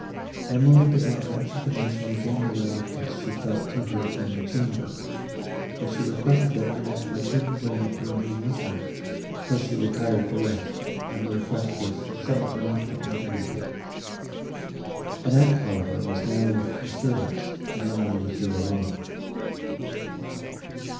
Emily did not venture to mention again the reluctance she felt to her gloomy chamber, but she requested that Annette might be permitted to remain with her till she retired to rest; and the request was somewhat reluctantly granted. Annette, however, was now with the servants, and Emily withdrew alone.